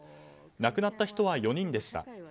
亡くなった人は４人でした。